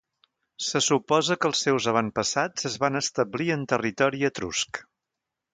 Se suposa que els seus avantpassats es van establir en territori etrusc.